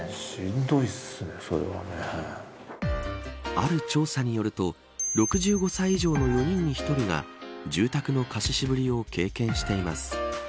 ある調査によると６５歳以上の４人に１人が住宅の貸し渋りを経験しています。